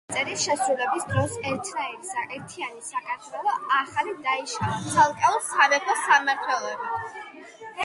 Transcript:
წარწერის შესრულების დროს, ერთიანი საქართველო ახალი დაშლილია ცალკეულ სამეფო-სამთავროებად.